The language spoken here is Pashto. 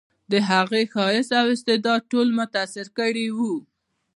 د هغې ښایست او استعداد ټول متاثر کړي وو